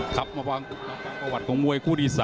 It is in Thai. ก็ละกว่าเป็นกาวัดกับมวยกู้ดี๓